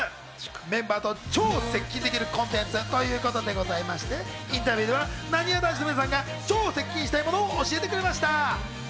メンバーと超接近コンテンツということでございましてインタビューではなにわ男子の皆さんが超接近したいもの教えてくれました。